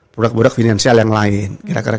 produk produk finansial yang lain